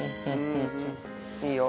いいよ。